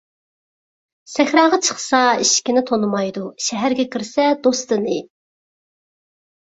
سەھراغا چىقسا ئېشىكىنى تونۇمايدۇ، شەھەرگە كىرسە دوستىنى.